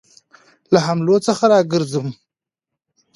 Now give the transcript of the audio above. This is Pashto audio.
له حملو څخه را وګرځوم.